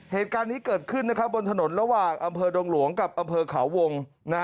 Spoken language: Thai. เหตุการณ์นี้เกิดขึ้นบนถนนระหว่างอำเภอดงหลวงกับอำเภอเขาวง